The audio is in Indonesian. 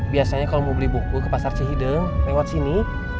biasanya kalau mau beli buku ke pasar cihideng lewat sini